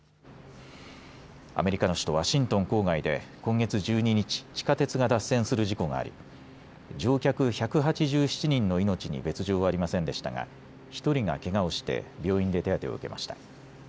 アメリカの首都ワシントン郊外で今月１２日、地下鉄が脱線する事故があり乗客１８７人の命に別状はありませんでしたが１人がけがをして病院で手当てを受けました。